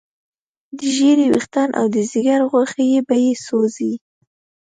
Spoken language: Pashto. د ږیرې ویښتان او د ځیګر غوښې به یې سوځي.